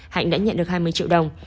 hạnh đã nhận được hai mươi triệu đồng